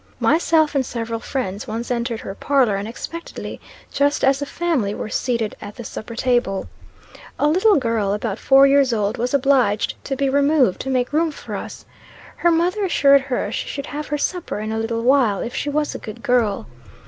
Myself and several friends once entered her parlor unexpectedly, just as the family were seated at the supper table. A little girl, about four years old, was obliged to be removed, to make room for us. Her mother assured her she should have her supper in a little while, if she was a good girl.